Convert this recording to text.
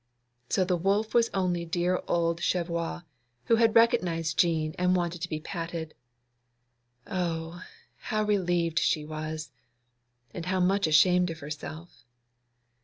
So the wolf was only dear old Cheviot, who had recognised Jean, and wanted to be patted. Oh, how relieved she was, and how much ashamed of herself!